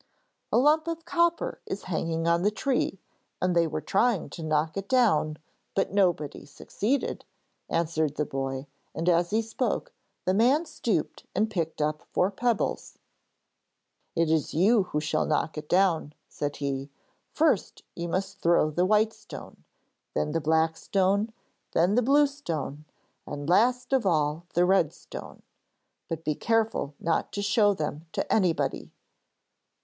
'A lump of copper is hanging on the tree and they were trying to knock it down, but nobody succeeded,' answered the boy; and as he spoke, the man stooped and picked up four pebbles. 'It is you who shall knock it down,' said he. 'First you must throw the white stone, then the black stone, then the blue stone, and last of all the red stone. But be careful not to show them to anybody.'